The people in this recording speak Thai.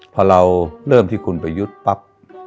พอเราเริ่มที่คุณประยุทธ์ปั๊บ